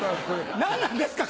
何なんですか？